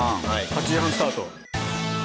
８時半スタート。